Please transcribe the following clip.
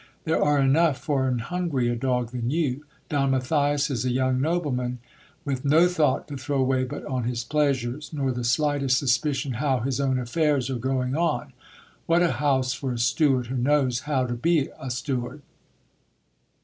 There are enough for an hungrier dog than you ! Don Matthias is a young nobleman, with no thought to throw away but on his pleasures, nor the slightest suspicion hew his own affairs are going on. What a house for a steward who knows how to be a steward